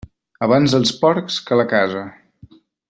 Abans els porcs que la casa.